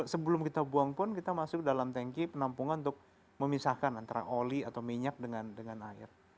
sebelum kita buang pun kita masuk dalam tanki penampungan untuk memisahkan antara oli atau minyak dengan air